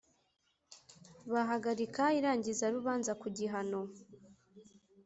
Bahagarika irangizarubanza ku gihano.